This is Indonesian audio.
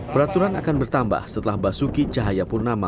peraturan akan bertambah setelah basuki cahayapurnama